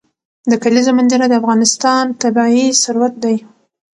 د کلیزو منظره د افغانستان طبعي ثروت دی.